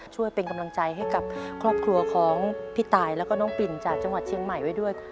ช่วยเป็นกำลังใจให้กับครอบครัวของพี่ตายแล้วก็น้องปิ่นจากจังหวัดเชียงใหม่ไว้ด้วย